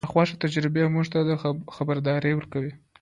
ناخوښه تجربه موږ ته خبرداری ورکوي.